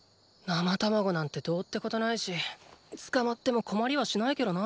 生卵なんてどうってことないし捕まっても困りはしないけどな。